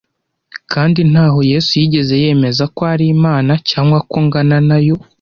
kandi ntaho Yesu yigeze yemeza ko ari Imana cyangwa ko angana na yo